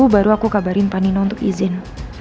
baru aku kabarin panino untuk izin